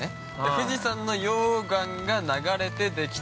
富士山の溶岩が流れてできた。